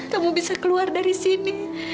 kamu bisa keluar dari sini